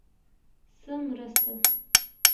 _څه مرسته؟